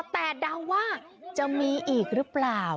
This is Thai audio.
แต่เดาว่าจะมีอีกหรือเปล่า